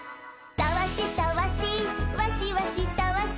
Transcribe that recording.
「たわしたわしわしわしたわし」